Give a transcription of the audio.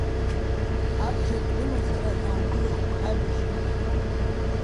Абџьар кны мацара даугылаху аибашьыҩгьы.